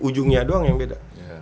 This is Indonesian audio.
ujungnya doang yang beda